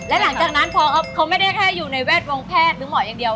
และหลังจากนั้นพอเขาไม่ได้แค่อยู่ในแวดวงแพทย์หรือหมออย่างเดียว